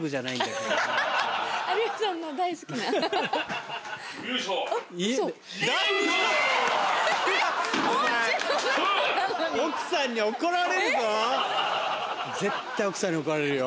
絶対奥さんに怒られるよ。